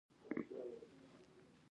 د روسانو څرخکه خو په نغلو کې ولمبېدله کنه.